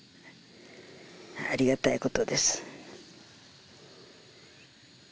ありがたいことです